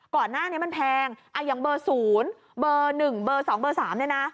ก่อนหน้านี้มันแพงอย่างเบอร์๐เบอร์๑เบอร์๒เบอร์๓เนี่ยนะ